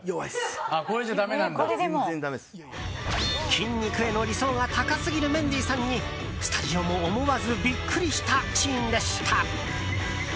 筋肉への理想が高すぎるメンディーさんにスタジオも思わずビックリしたシーンでした。